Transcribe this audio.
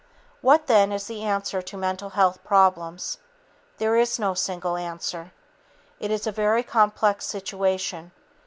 What, then, is the answer to mental health problems? There is no single answer. It is a very complex situation.